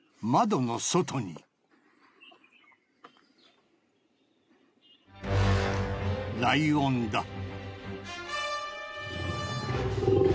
窓の外にライオンだ